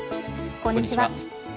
こんにちは。